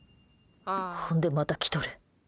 ほんでまた来とる。